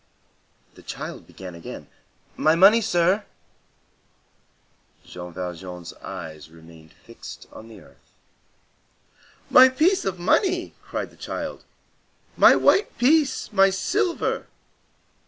The child began again, "My money, sir." Jean Valjean's eyes remained fixed on the earth. "My piece of money!" cried the child, "my white piece! my silver!"